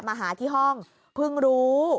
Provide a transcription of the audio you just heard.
มาหาที่ห้องเพิ่งรู้